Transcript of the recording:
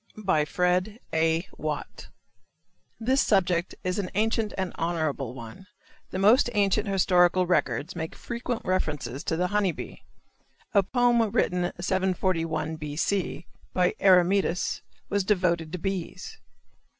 FRED. A. WATT. This subject is an ancient and honorable one. The most ancient historical records make frequent reference to the honey bee. A poem written 741 B. C., by Eremetus was devoted to bees.